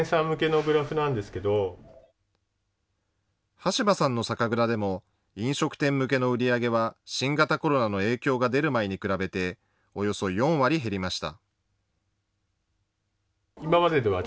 橋場さんの酒蔵でも飲食店向けの売り上げは新型コロナの影響が出る前に比べて、およそ４割減りました。